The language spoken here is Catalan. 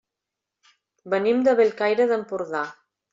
Venim de Bellcaire d'Empordà.